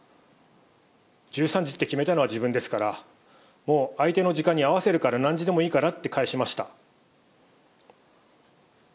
１３時って決めたのは自分ですから、もう相手の時間に合わせるから、何時でもいいからって返しました。